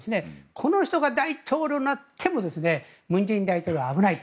この人が大統領になっても文在寅大統領は危ないと。